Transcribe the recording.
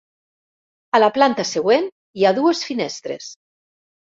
A la planta següent, hi ha dues finestres.